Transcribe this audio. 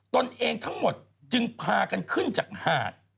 ตนเองทั้งหมดจึงพากันขึ้นจากหาด